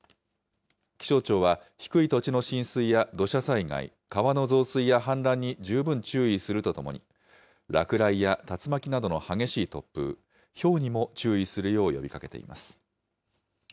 気象庁は、低い土地の浸水や土砂災害、川の増水や氾濫に十分注意するとともに、落雷や竜巻などの激しい突風、ひょうにも注意するよう呼びかけています。